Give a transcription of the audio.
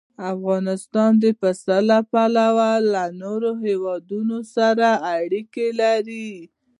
افغانستان د پسه له پلوه له نورو هېوادونو سره اړیکې لري.